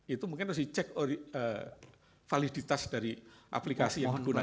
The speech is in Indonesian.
itu mungkin harus dicek validitas dari aplikasi yang digunakan